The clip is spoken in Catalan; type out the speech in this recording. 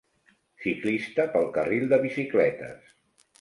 Ciclista pel carril de bicicletes